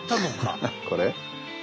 これ？